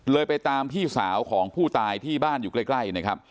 ไปตามพี่สาวของผู้ตายที่บ้านอยู่ใกล้นะครับ